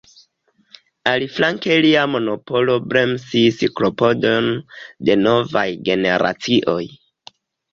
Aliflanke lia monopolo bremsis klopodojn de novaj generacioj.